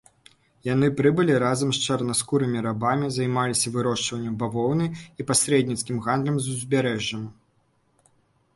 Яны прыбылі разам з чарнаскурымі рабамі, займаліся вырошчваннем бавоўны і пасрэдніцкім гандлем з узбярэжжам.